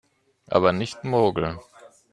Aber nicht mogeln